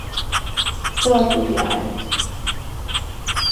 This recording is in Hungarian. Szarduri állt.